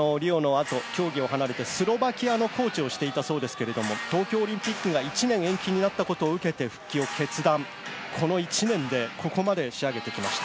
リオの後、競技を離れて、スロバキアのコーチをしていたそうですけれど、東京オリンピックが１年、延期になったことを受けて、復帰を決断。